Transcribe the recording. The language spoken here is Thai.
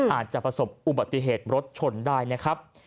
อาจจะประสบอุบัติเหตุรถชนได้นะครับ